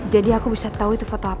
jadi aku bisa tahu itu foto apa